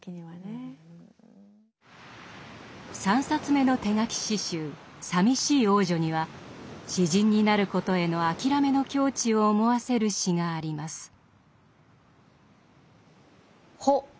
３冊目の手書き詩集「さみしい王女」には詩人になることへの諦めの境地を思わせる詩があります。